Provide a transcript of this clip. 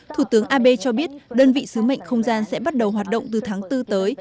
thủ tướng abe cho biết đơn vị sứ mệnh không gian sẽ bắt đầu hoạt động từ tháng bốn tới